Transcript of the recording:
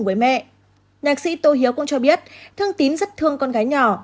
nhạc sĩ tô hiếu cũng cho biết thương tín rất thương con gái nhỏ